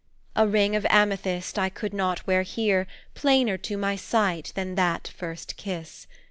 A ring of amethyst I could not wear here, plainer to my sight, Than that first kiss.